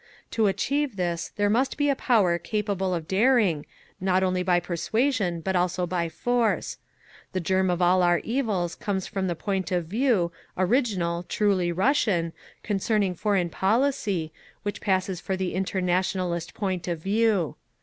To achieve this, there must be a power capable of daring, not only by persuasion, but also by force…. The germ of all our evils comes from the point of view, original, truly Russian, concerning foreign policy, which passes for the Internationalist point of view.